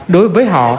đối với họ